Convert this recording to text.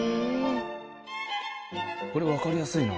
これわかりやすいな。